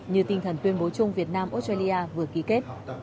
như tinh thần tuyên bố chung việt nam australia vừa ký kết